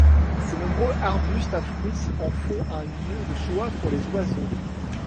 Ses nombreux arbustes à fruits en font un lieu de choix pour les oiseaux.